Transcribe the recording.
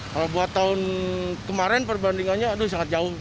kalau buat tahun kemarin perbandingannya aduh sangat jauh